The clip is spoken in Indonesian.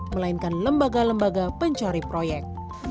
melainkan lembaga lembaga pencari proyek